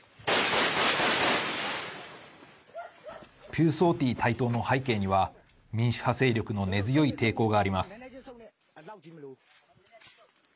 ピューソーティー台頭の背景には民主派勢力の根強い抵抗があります。